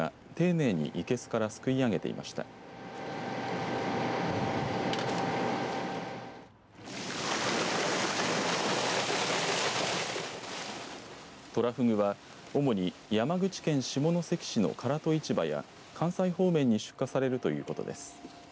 とらふぐは、主に山口県下関市の唐戸市場や関西方面に出荷されるということです。